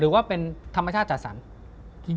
หรือว่าเป็นธรรมชาติอาจารย์